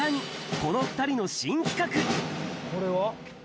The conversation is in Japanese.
これは？